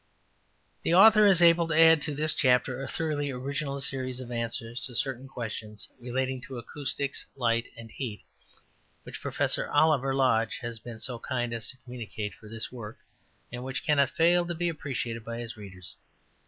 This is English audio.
'' The author is able to add to this chapter a thoroughly original series of answers to certain questions relating to acoustics, light and heat, which Professor Oliver Lodge, F.R.S., has been so kind as to communicate for this work, and which cannot fail to be appreciated by his readers.